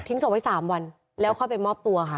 ทิ้งศพไว้๓วันแล้วเข้าไปมอบตัวค่ะ